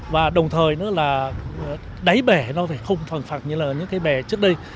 và đồng thời nữa là đáy bể nó phải không phẳng phẳng như là những cái bể trước đây